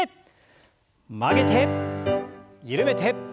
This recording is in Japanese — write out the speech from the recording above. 曲げて緩めて。